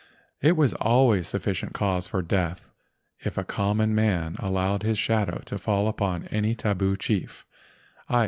It was always sufficient cause for death if a common man allowed his shadow to fall upon any tabu chief, i.